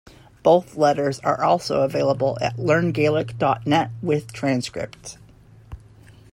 Both letters are also available at learngaelic dot net, with transcripts.